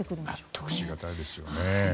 納得しがたいですよね。